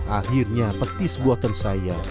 akhirnya petis buatan saya